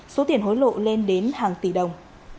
số tiền hối lộ lên đến hàng tỷ đồng